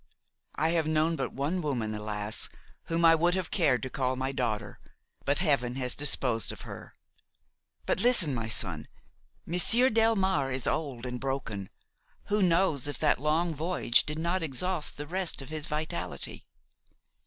I have known but one woman, alas! whom I should have cared to call my daughter; but Heaven has disposed of her. But listen, my son. Monsieur Delmare is old and broken; who knows if that long voyage did not exhaust the rest of his vitality?